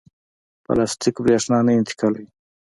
پلاستیک برېښنا نه انتقالوي.